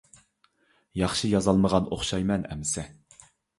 ياخشى يازالمىغان ئوخشايمەن ئەمىسە.